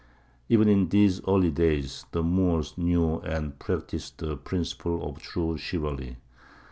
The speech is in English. Even in these early days the Moors knew and practised the principles of true chivalry.